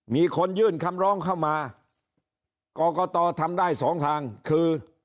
มีคนยื่นคำร้องเข้ามากรกตทำได้สองทางคือ